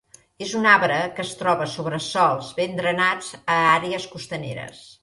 És un arbre que es troba sobre sòls ben drenats a àrees costaneres.